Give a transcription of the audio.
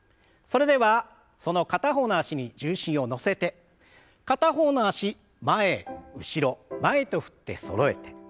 それではその片方の脚に重心を乗せて片方の脚前後ろ前と振ってそろえて。